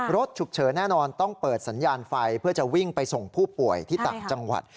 รถฉุกเฉินแน่นอนต้องเปิดสัญญาณไฟเพื่อจะวิ่งไปส่งผู้ป่วยที่ต่างจังหวัด